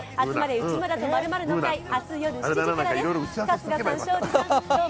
内村と○○の会」明日夜７時からです。